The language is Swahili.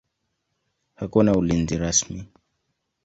Hakuna ulinzi rasmi.